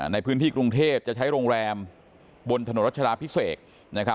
ในพื้นที่กรุงเทพจะใช้โรงแรมบนถนตรรัฐชาติภิกษาเอก